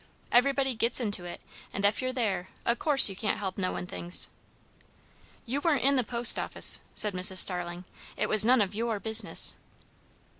Everybody gits into it; and ef you're there, o' course you can't help knowin' things." "You weren't in the post office!" said Mrs. Starling. "It was none of your business."